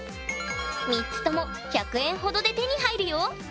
３つとも１００円ほどで手に入るよ。